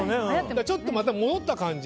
だから、ちょっとまた戻った感じ。